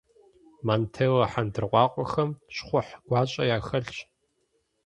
Монтеллэ хьэндыркъуакъуэхэм щхъухь гуащӏэ яхэлъщ.